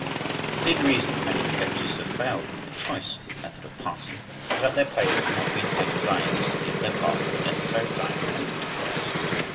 The big reason that many coaches have failed with the "choice" method of passing is that their plays have not been so designed as to give their passer the necessary time for making a choice.